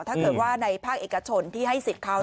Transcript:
ถ้าเกิดว่าในภาคเอกชนที่ให้สิทธิ์เขา